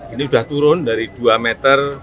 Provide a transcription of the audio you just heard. ini sudah turun dari dua meter